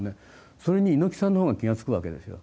それに猪木さんの方が気が付くわけですよ。